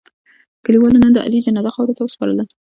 کلیوالو نن د علي جنازه خاورو ته و سپارله.